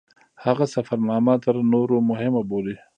هغه سفرنامه تر نورو مهمه بولي.